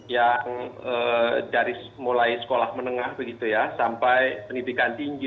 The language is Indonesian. yang dari mulai sekolah menengah begitu ya sampai pendidikan tinggi